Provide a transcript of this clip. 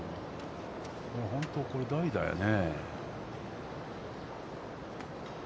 本当これ代打やね。